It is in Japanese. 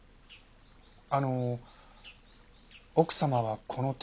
あの奥様はこの手紙を。